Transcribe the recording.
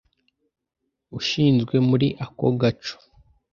ashinzwe muri ako gaco